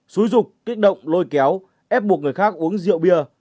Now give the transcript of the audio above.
xúi rục kích động lôi kéo ép buộc người khác uống rượu bia